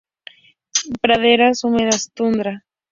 Praderas húmedas, tundra.